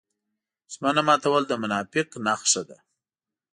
ژمنه ماتول د منافق نښه ده.